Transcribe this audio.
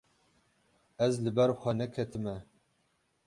Ez li ber xwe neketime.